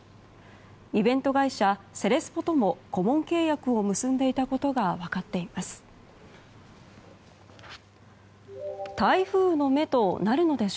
イベント会社セレスポとも顧問契約を結んでいたことが分かっています。